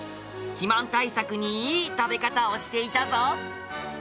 肥満対策にいい食べ方をしていたぞ！